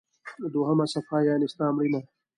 دوهمه صفحه: یعنی ستا مړینه.